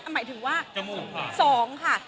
หมายถึงว่า๒ค่ะ